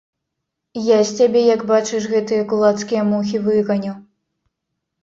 Я з цябе як бачыш гэтыя кулацкія мухі выганю!